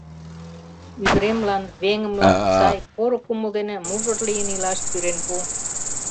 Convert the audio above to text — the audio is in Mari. Ӱдыремлан, веҥымлан сай, поро кумыл дене мужыр лийын илаш пӱрен пу.